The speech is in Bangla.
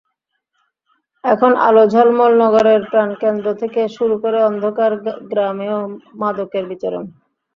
এখন আলো ঝলমল নগরের প্রাণকেন্দ্র থেকে শুরু করে অন্ধকার গ্রামেও মাদকের বিচরণ।